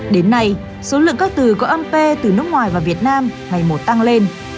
đến nay số lượng các từ có âm p từ nước ngoài vào việt nam ngày một tăng lên